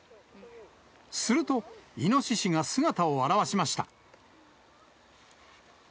すると、イノシシが姿を現しました。